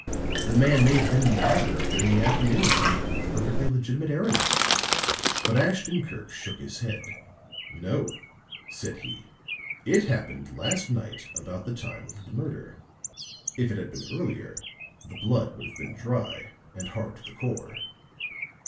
The man may have been in the library during the afternoon upon a perfectly legitimate errand." But Ashton Kirk shook his head. "No," said he. "It happened last night about the time of the murder. If it had been earlier the blood would have been dry and hard to the core."